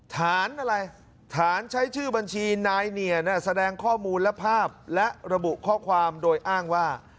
ฐานอะไรฐานใช้ชื่อบัญชีนายเนียแสดงข้อมูลและภาพและระบุข้อความโดยอ้างว่า